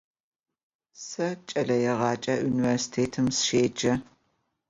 Se ç'eleêğece vunivêrsitêtım sışêce.